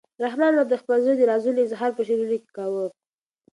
رحمان بابا د خپل زړه د رازونو اظهار په شعرونو کې کاوه.